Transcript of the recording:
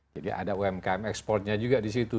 jadi ada umkm exportnya juga di situ